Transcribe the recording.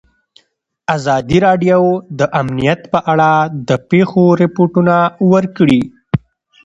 ازادي راډیو د امنیت په اړه د پېښو رپوټونه ورکړي.